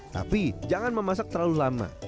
tapi jangan memasak terlalu lama